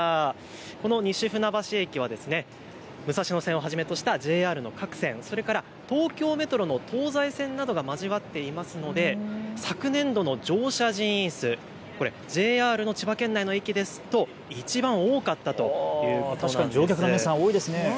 この西船橋駅は武蔵野線をはじめとしたＪＲの各線、それから東京メトロの東西線などが交わっていますので昨年度の乗車人員数、ＪＲの千葉県内の駅ですといちばん多かったということなんです。